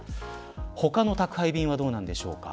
他の宅配便はどうなんでしょうか。